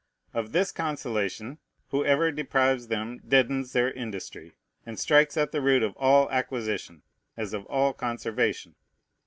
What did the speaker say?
Of this consolation whoever deprives them deadens their industry, and strikes at the root of all acquisition as of all conservation.